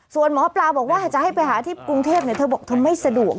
ส่วนหมอปลาบอกว่าจะให้ไปหาที่กรุงเทพเธอบอกเธอไม่สะดวก